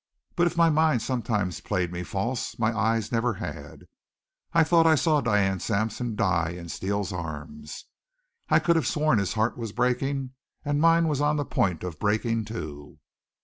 But if my mind sometimes played me false my eyes never had. I thought I saw Diane Sampson die in Steele's arms; I could have sworn his heart was breaking; and mine was on the point of breaking, too.